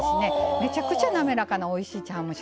めちゃくちゃ滑らかなおいしい茶碗蒸しになります。